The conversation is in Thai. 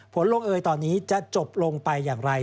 ผลลงเอยตอนนี้จะจบลงไปอย่างไร